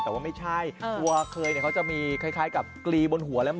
แต่ว่าไม่ใช่ตัวเคยเขาจะมีคล้ายกับกรีบนหัวแล้ว